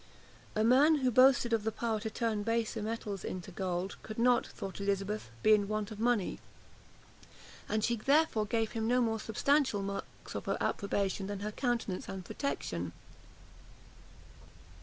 A man who boasted of the power to turn baser metals into gold, could not, thought Elizabeth, be in want of money; and she therefore gave him no more substantial marks of her approbation than her countenance and protection.